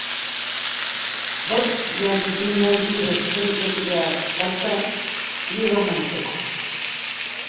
Bost jardunaldi besterik ez dira falta liga amaitzeko.